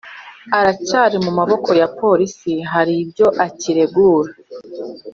Aracyari mumaboko ya police haribyo akiregura